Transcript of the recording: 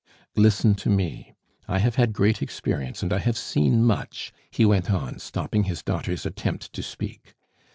"Listen to me; I have had great experience, and I have seen much," he went on, stopping his daughter's attempt to speak.